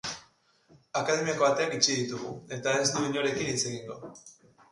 Akademiako ateak itxi ditu, eta ez du inorekin hitz egingo.